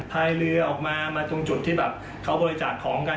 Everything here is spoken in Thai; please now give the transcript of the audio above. พายเรือออกมามาตรงจุดที่แบบเขาบริจาคของกัน